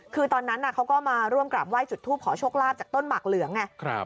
คือตอนนั้นเขาก็มาร่วมกราบไห้จุดทูปขอโชคลาภจากต้นหมักเหลืองไง